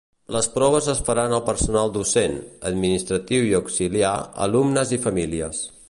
Les proves es faran al personal docent, administratiu i auxiliar, alumnes i famílies.